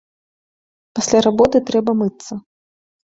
Пасля работы трэба мыцца.